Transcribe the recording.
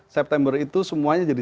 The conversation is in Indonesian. september itu semuanya jadi